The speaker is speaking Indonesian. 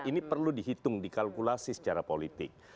ini perlu dihitung dikalkulasi secara politik